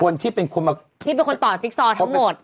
คนที่เป็นคนมาที่เป็นคนต่อจิ๊กซอทั้งหมด